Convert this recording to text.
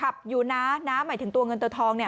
ขับอยู่นะหมายถึงตัวเงินตัวทองเนี่ย